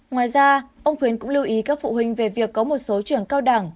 ngoài ra ông khuyến cũng lưu ý các phụ huynh về việc có một số trường cao đẳng